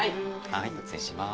はい失礼します。